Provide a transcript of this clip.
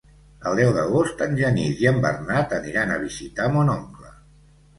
El deu d'agost en Genís i en Bernat aniran a visitar mon oncle.